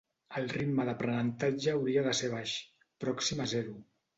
El ritme d'aprenentatge hauria de ser baix, pròxim a zero.